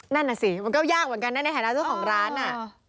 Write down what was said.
นั่นน่ะสิมันก็ยากเหมือนกันนะในฐานะเจ้าของร้านน่ะ